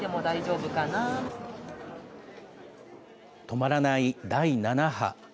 止まらない第７波。